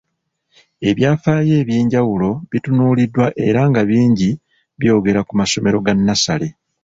Ebyafaayo eby’enjawulo bitunuuliddwa era nga bingi byogera ku masomero ga nnassale.